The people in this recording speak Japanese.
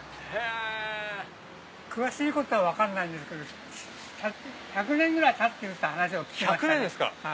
詳しいことは分かんないんですけど１００年ぐらい経ってるって話を聞きましたね。